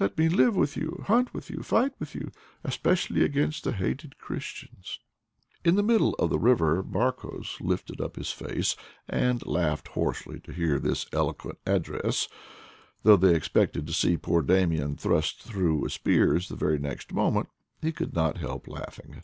Let me live with you, hunt with you, fight with you — especially against the hated Christians." LIFE IN PAtfAGONiaT :;:':: v M : In the middle of the river Marcos lifted up his face and laughed hoarsely to hear this eloquent address ; though they expected to see poor Damian thrust through with spears the very next moment, he could not help laughing.